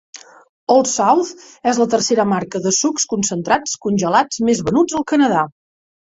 Old South és la tercera marca de sucs concentrats congelats més venuts al Canadà.